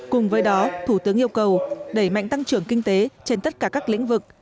cùng với đó thủ tướng yêu cầu đẩy mạnh tăng trưởng kinh tế trên tất cả các lĩnh vực